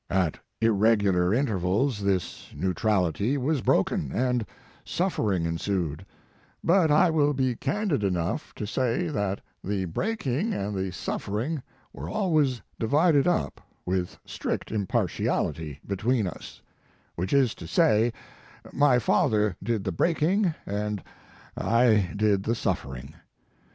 At irregular in tervals this neutrality was broken and suffering ensued; but I will be candid enough to say that the breaking and the suffering were always divided up with strict im partiality between us which is to say my father did the breaking, and I did the suffering.